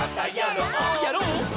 やろう！